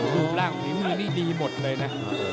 รูปร่างฝีมือนี่ดีหมดเลยนะ